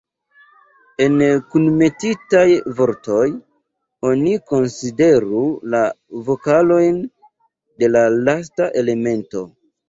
En kunmetitaj vortoj, oni konsideru la vokalojn de la lasta elemento.